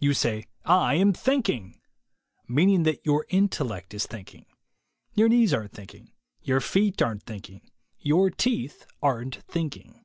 You say, "I am thinking," — meaning that your intellect is thinking. Your knees aren't thinking; your feet aren't thinking; your teeth aren't thinking.